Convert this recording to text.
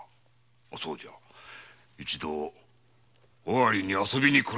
そうじゃ一度尾張に遊びに来られるがよい。